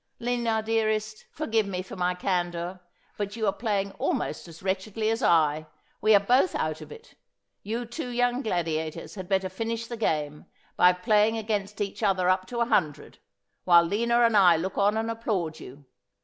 ' Lina, dearest, forgive me for my candour, but you are playing almost as wretchedly as I. "We are both out of it. You two young gladiators had better finish the game by playing against each other up to a hundred, while Lina and I look on and applaud you.